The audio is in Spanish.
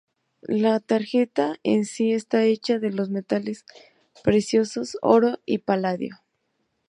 La tarjeta en sí está hecha de los metales preciosos oro y paladio.